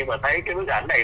chụp thì rất là nhiều